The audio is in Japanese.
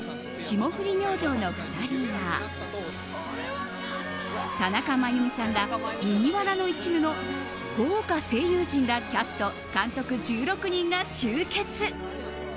霜降り明星の２人や田中真弓さんら麦わらの一味の豪華声優陣らキャスト、監督１６人が集結。